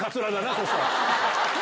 そしたら。